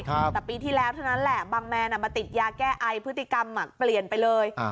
แต่ปีที่แล้วเท่านั้นแหละบางแมนมาติดยาแก้ไอพฤติกรรมเปลี่ยนไปเลย